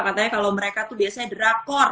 katanya kalau mereka tuh biasanya drakor